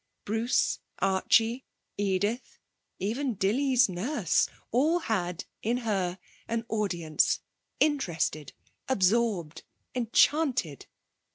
Bruce, Archie, Edith, even Dilly's nurse, all had, in her, an audience: interested, absorbed, enchanted.